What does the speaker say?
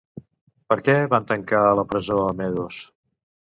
Per què van tancar a la presó a Medos?